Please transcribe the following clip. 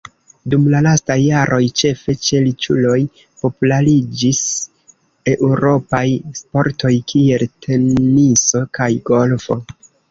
Dum la lastaj jaroj, ĉefe ĉe riĉuloj populariĝis eŭropaj sportoj kiel teniso kaj golfo.